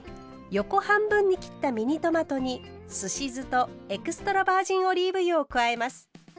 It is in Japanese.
横半分に切ったミニトマトにすし酢とエクストラバージンオリーブ油を加えます。